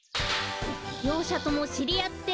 りょうしゃともしりあって！